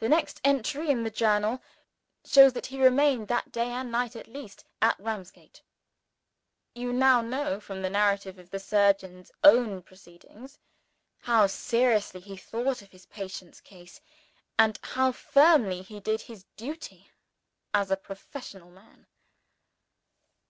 The next entry in the Journal shows that he remained that day and night, at least, at Ramsgate. You now know, from the narrative of the surgeon's own proceedings, how seriously he thought of his patient's case, and how firmly he did his duty as a professional man.